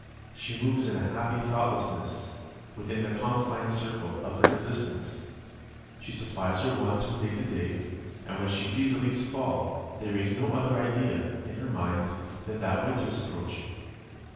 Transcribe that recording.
She moves in a happy thoughtlessness within the confined circle of her existence; she supplies her wants from day to day; and, when she sees the leaves fall, they raise no other idea in her mind than that winter is approaching.